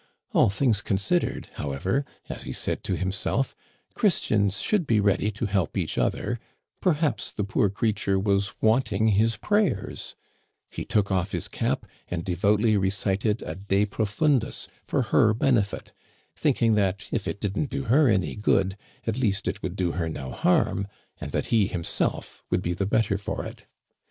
All things considered, however, as he said to himself, Christians should be ready to help each other ; perhaps the poor creature was want Digitized by VjOOQIC 40 THE CANADIANS OF OLD. ing his prayers. He took off his cap and devoutly re cited a de profundis for her benefit, thinking that, if it didn't do her any good, it could at least do her no harm, and that he himself would be the better for it.